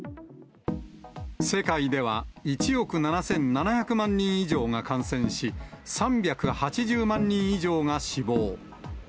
世界では、１億７７００万人以上が感染し、３８０万人以上が死亡。